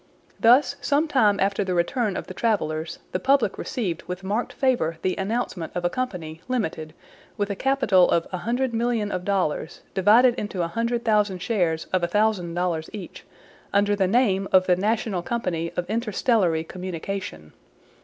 Thus, some time after the return of the travelers, the public received with marked favor the announcement of a company, limited, with a capital of a hundred million of dollars, divided into a hundred thousand shares of a thousand dollars each, under the name of the "National Company of Interstellary Communication."